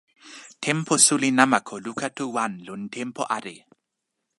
tenpo suli namako luka tu wan, lon tenpo ale